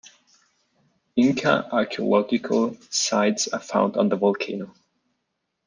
Inca archeological sites are found on the volcano.